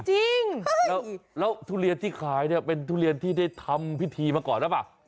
จริงแล้วทุเรียนที่ขายเนี่ยเป็นทุเรียนที่ได้ทำพิธีมาก่อนหรือเปล่า